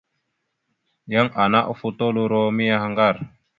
Yan ana ofotoloro miyaŋgar.